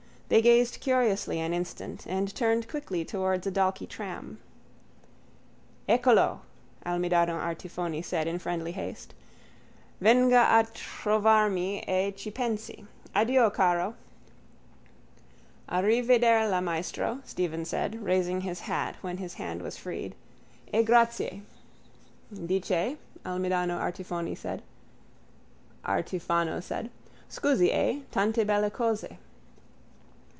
They gazed curiously an instant and turned quickly towards a Dalkey tram. —Eccolo, Almidano Artifoni said in friendly haste. Venga a trovarmi e ci pensi. Addio, caro. —Arrivederla, maestro, Stephen said, raising his hat when his hand was freed. E grazie. —Di che? Almidano Artifoni said. _Scusi, eh? Tante belle cose!